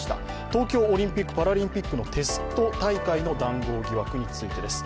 東京オリンピック・パラリンピックのテスト大会の談合疑惑についてです。